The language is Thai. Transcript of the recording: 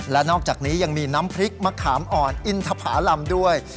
และนอกจากนี้ยังมีน้ำพริกมะขามอ่อนอินทภาลำด้วย